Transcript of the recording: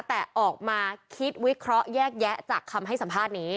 แต่ออกมาคิดวิเคราะห์แยกแยะจากคำให้สัมภาษณ์นี้